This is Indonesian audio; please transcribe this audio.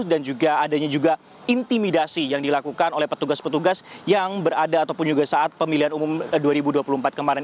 dan juga adanya juga intimidasi yang dilakukan oleh petugas petugas yang berada ataupun juga saat pemilihan umum dua ribu dua puluh empat kemarin